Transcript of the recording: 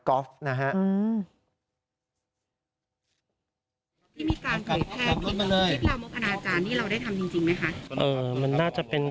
ก็ต้องมีใครล่ะคุณเชดยินทำชื่อคนเหรอ